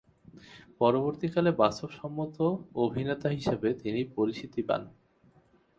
পরবর্তী কালে বাস্তবসম্মত অভিনেতা হিসাবে তিনি পরিচিতি পান।